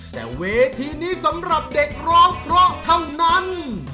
แต่เวทีนี้สำหรับเด็กร้องเพราะเท่านั้น